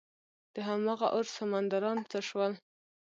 دهمغه اور سمندران څه شول؟